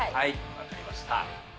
分かりました。